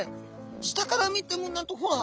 下から見てもなんとほら！